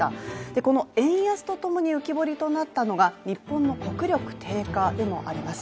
この円安と共に浮き彫りとなったのが、日本の国力低下でもあります